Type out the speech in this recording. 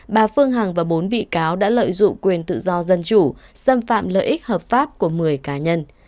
bà phương hằng và bốn bị cáo đã lợi dụng quyền tự do dân chủ xâm phạm lợi ích hợp pháp của một mươi cá nhân